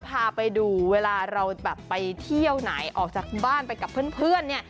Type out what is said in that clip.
พาไปดูเวลาเราแบบไปเที่ยวไหนออกจากบ้านไปกับเพื่อนเนี่ย